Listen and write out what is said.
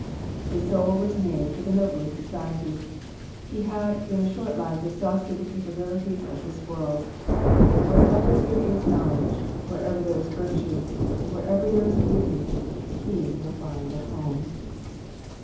His soul was made for the noblest society; he had in a short life exhausted the capabilities of this world; wherever there is knowledge, wherever there is virtue, wherever there is beauty, he will find a home."